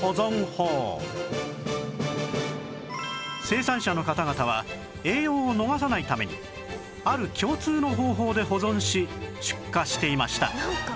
生産者の方々は栄養を逃さないためにある共通の方法で保存し出荷していました